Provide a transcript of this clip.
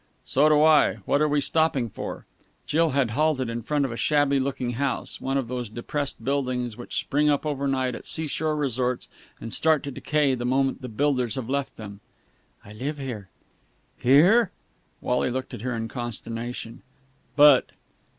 "So do I. What are we stopping for?" Jill had halted in front of a shabby looking house, one of those depressing buildings which spring up overnight at seashore resorts and start to decay the moment the builders have left them. "I live here." "Here?" Wally looked at her in consternation. "But...."